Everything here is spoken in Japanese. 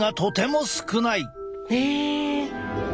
へえ！